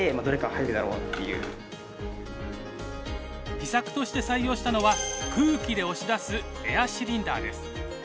秘策として採用したのは空気で押し出すエアシリンダーです。